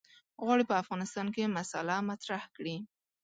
غواړي په افغانستان کې مسأله مطرح کړي.